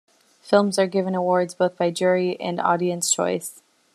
Films are given awards both by jury and audience choice.